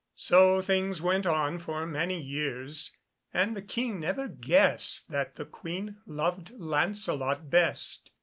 So things went on for many years, and the King never guessed that the Queen loved Lancelot best.